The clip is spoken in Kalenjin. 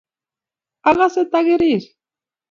akase takirir.